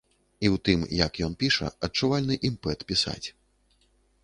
І ў тым, як ён піша, адчувальны імпэт пісаць.